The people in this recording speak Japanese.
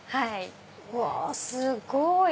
うわすごい！